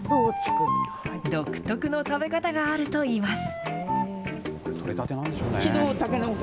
独特の食べ方があるといいます。